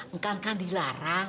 engkau kan dilarang